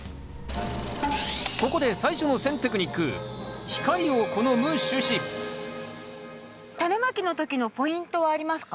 ここで最初の選テクニックタネまきの時のポイントはありますか？